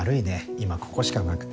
今ここしかなくて。